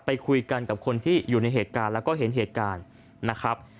ไปคุยกันกับคนที่อยู่ในเหตุการณ์แล้วก็เห็นเหตุการณ์นะครับ